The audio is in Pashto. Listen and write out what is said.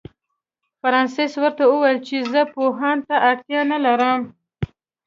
فرانسس ورته وویل چې زه پوهانو ته اړتیا نه لرم.